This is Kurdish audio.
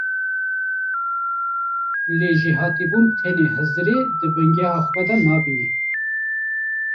Lê jêhatîbûn tenê hizirê di bingeha xwe de nabîne.